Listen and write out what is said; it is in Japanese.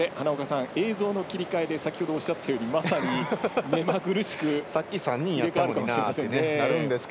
映像の切り替えでさっきおっしゃったようにまさに目まぐるしく見えるかもしれないですね。